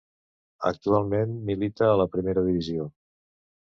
Actualment milita a la Primera Divisió.